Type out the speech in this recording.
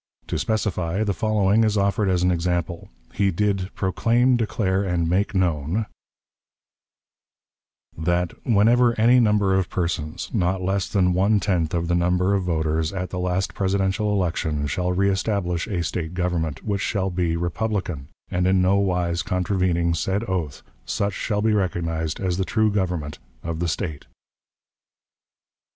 To specify, the following is offered as an example. He did "proclaim, declare, and make known that, whenever any number of persons, not less than one tenth of the number of voters at the last Presidential election, shall reestablish a State government, which shall be republican [!] and in no wise contravening said oath, such shall be recognized as the true government of the State."